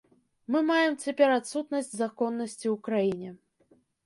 Мы маем цяпер адсутнасць законнасці ў краіне.